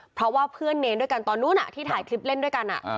เพราะว่าเพื่อนเนรด้วยกันตอนนู้นที่ถ่ายคลิปเล่นด้วยกัน